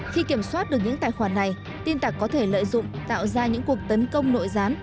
khi kiểm soát được những tài khoản này tin tặc có thể lợi dụng tạo ra những cuộc tấn công nội gián